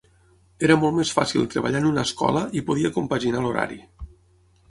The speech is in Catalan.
Era molt més fàcil treballar en una escola i podia compaginar l’horari.